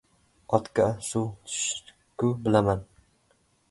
— Otga suv tushishini-ku, bilaman.